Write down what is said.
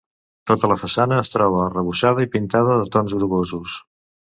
Tota la façana es troba arrebossada i pintada en tons grogosos.